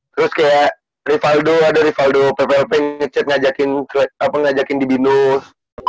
terus kayak rivaldo ada rivaldo pplp ngajakin ngajakin di binus